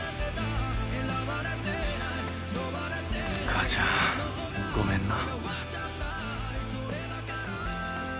母ちゃんごめんな。